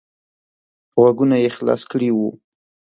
غوږونه یې خلاص کړي وو.